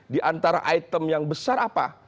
diantara item yang besar apa